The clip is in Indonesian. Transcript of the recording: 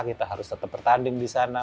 kita harus tetap bertanding di sana